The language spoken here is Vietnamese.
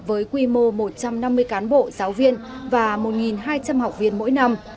với quy mô một trăm năm mươi cán bộ giáo viên và một hai trăm linh học viên mỗi năm